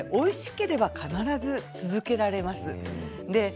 おいしければ必ず続けられます。